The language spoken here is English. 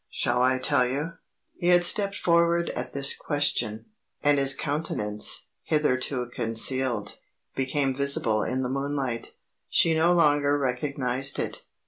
"Shall I tell you?" He had stepped forward at this question and his countenance, hitherto concealed, became visible in the moonlight. She no longer recognized it.